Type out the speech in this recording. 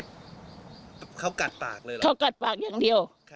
ซู่กัดปากเลยเราขอกัดปากอย่างเดียว